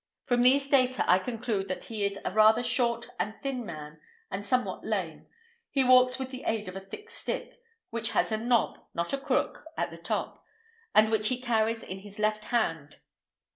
From these data I conclude that he is a rather short and thin man, and somewhat lame. He walks with the aid of a thick stick, which has a knob, not a crook, at the top, and which he carries in his left hand.